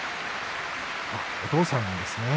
お父さんですね。